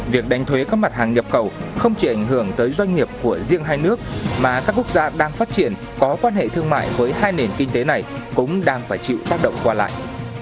việc đánh thuế các mặt hàng nhập khẩu không chỉ ảnh hưởng tới doanh nghiệp của riêng hai nước mà các quốc gia đang phát triển có quan hệ thương mại với hai nền kinh tế này cũng đang phải chịu tác động qua lại